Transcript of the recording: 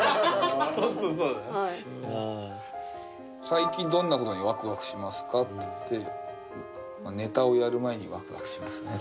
「最近どんなことにワクワクしますか？」っていってネタをやる前にワクワクしますね。